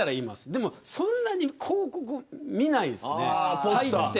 でもそんなに広告見ないですね。